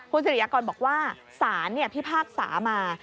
คุณสิริยากรบอกว่าสารพิพากษามา